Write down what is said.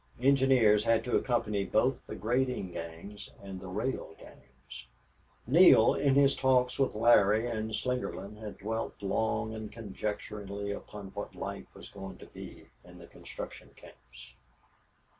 Engineers had to accompany both the grading gangs and the rail gangs. Neale, in his talks with Larry and Slingerland, had dwelt long and conjecturingly upon what life was going to be in the construction camps.